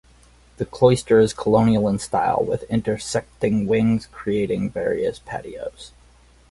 The cloister is colonial in style with intersecting wings creating various patios.